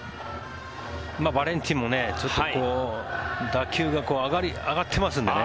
バレンティンも打球が上がってますのでね